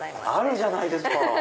あるじゃないですか！